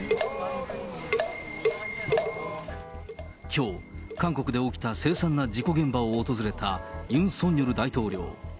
きょう、韓国で起きた凄惨な事故現場を訪れたユン・ソンニョル大統領。